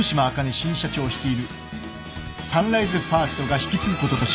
新社長率いるサンライズファーストが引き継ぐこととします。